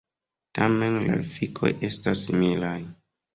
Tamen la efikoj estas similaj.